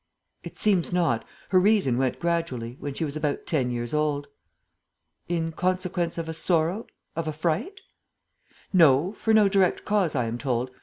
"It seems not. Her reason went gradually, when she was about ten years old." "In consequence of a sorrow, of a fright?" "No, for no direct cause, I am told.